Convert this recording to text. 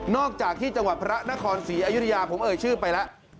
จากที่จังหวัดพระนครศรีอยุธยาผมเอ่ยชื่อไปแล้ว